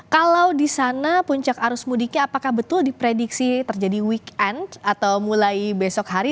kalau di sana puncak arus mudiknya apakah betul diprediksi terjadi weekend atau mulai besok hari